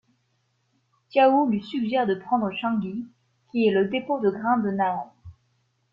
Xiahou lui suggère de prendre Shanggui, qui est le dépôt de grain de Nan'an.